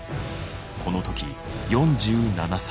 この時４７歳。